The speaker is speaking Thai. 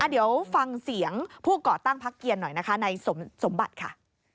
เดี๋ยวฟังเสียงผู้ก่อตั้งพักเกียรหน่อยนะคะในสมบัติค่ะ